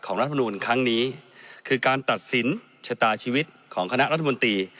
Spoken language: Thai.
รัฐมนูลครั้งนี้คือการตัดสินชะตาชีวิตของคณะรัฐมนตรี